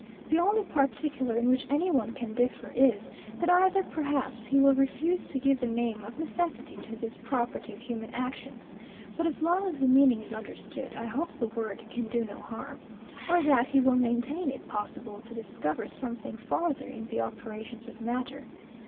The only particular in which any one can differ, is, that either, perhaps, he will refuse to give the name of necessity to this property of human actions: But as long as the meaning is understood, I hope the word can do no harm: Or that he will maintain it possible to discover something farther in the operations of matter.